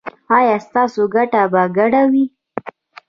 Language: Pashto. ایا ستاسو ګټه به ګډه وي؟